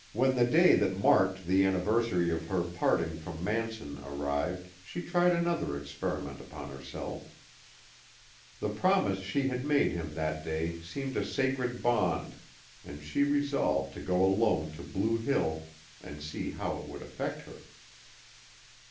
When the day that marked the anniversary of her parting from Manson arrived she tried another experiment upon herself. The promise she had made him that day seemed a sacred bond, and she resolved to go alone to Blue Hill and see how it would affect her.